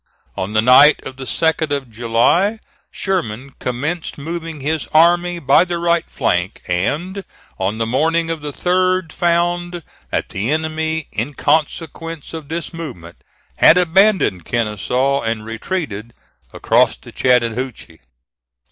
On the night of the 2d of July, Sherman commenced moving his army by the right flank, and on the morning of the 3d, found that the enemy, in consequence of this movement, had abandoned Kenesaw and retreated across the Chattahoochee.